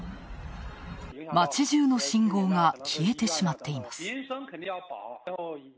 町じゅうの信号が消えてしまっています。